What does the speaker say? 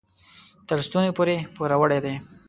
تر ستوني پورې پوروړي دي.